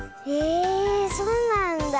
えそうなんだ。